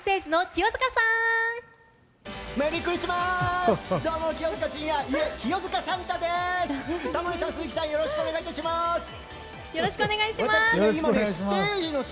よろしくお願いします。